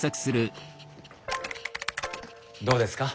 どうですか？